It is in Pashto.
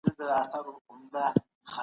يو کوچنى درې سېبه لري.